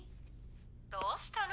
どうしたの？